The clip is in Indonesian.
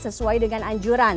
sesuai dengan anjuran